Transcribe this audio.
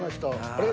あれ？